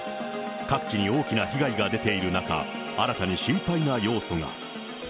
各地に大きな被害が出ている中、新たに心配な要素が。